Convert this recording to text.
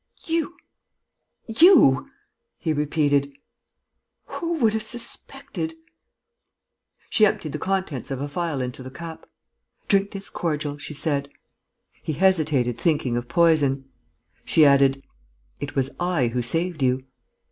"You ... you ...!" he repeated. "Who would have suspected ...?" She emptied the contents of a phial into the cup: "Drink this cordial," she said. He hesitated, thinking of poison. She added: "It was I who saved you."